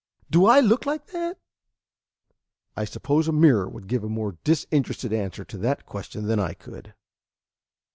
Do I look like that?" "I suppose a mirror would give a more disinterested answer to that question than I could."